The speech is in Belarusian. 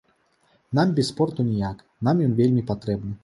Нам без спорту ніяк, нам ён вельмі патрэбны.